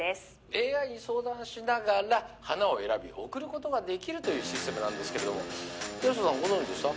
ＡＩに相談しながら花を選び贈ることができるというシステムなんですけれども八代さんご存じでした？